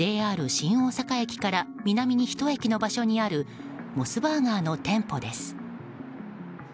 ＪＲ新大阪駅から南に１駅の場所にあるモスバーガーの店舗です。